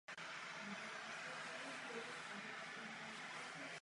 Obě lodě měly mnoho společného v rozdílných dobách.